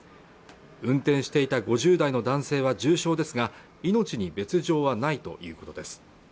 運転していた５０代の男性は重傷ですが命に別状はないということです